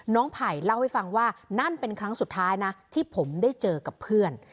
ไผ่เล่าให้ฟังว่านั่นเป็นครั้งสุดท้ายนะที่ผมได้เจอกับเพื่อน